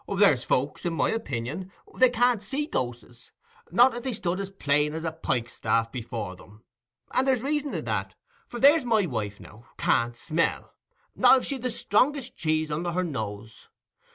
"There's folks, i' my opinion, they can't see ghos'es, not if they stood as plain as a pike staff before 'em. And there's reason i' that. For there's my wife, now, can't smell, not if she'd the strongest o' cheese under her nose.